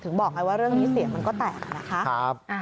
บอกไงว่าเรื่องนี้เสียงมันก็แตกนะคะ